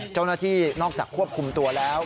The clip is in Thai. เจ้าหน้าที่นอกจากควบคุมตัวแล้ว